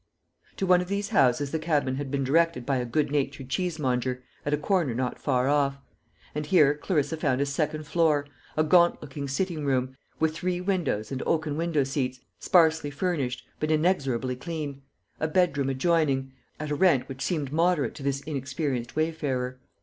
To one of these houses the cabman had been directed by a good natured cheesemonger, at a corner not far off; and here Clarissa found a second floor a gaunt looking sitting room, with three windows and oaken window seats, sparsely furnished, but inexorably clean; a bedroom adjoining at a rent which seemed moderate to this inexperienced wayfarer.